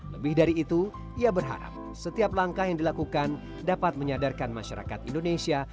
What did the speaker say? lebih dari itu ia berharap setiap langkah yang dilakukan dapat menyadarkan masyarakat indonesia